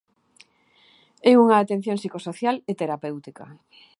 É unha atención psicosocial e terapéutica.